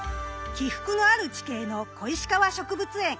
起伏のある地形の小石川植物園。